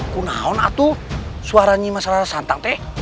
kunaon atu suaranya mas rara santang teh